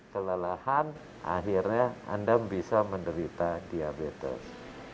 kelelahan akhirnya anda bisa menderita diabetes